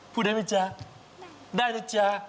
พูดได้ไหมจ๊ะได้นะจ๊ะ